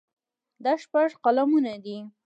دا شپږ قلمونه دي.